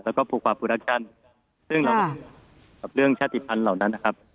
แล้วก็โปรควาซึ่งอ่าเรื่องชาติภัณฑ์เหล่านั้นนะครับ